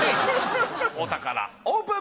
お宝オープン！